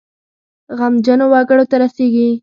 غمجنو وګړو ته رسیږي.